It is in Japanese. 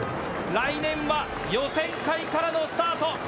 来年は予選会からのスタート。